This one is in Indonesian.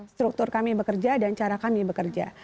struktur kami bekerja dan cara kami bekerja